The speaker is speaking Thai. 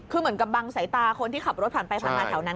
คือเหมือนกับบังสายตาคนที่ขับรถผ่านไปผ่านมาแถวนั้น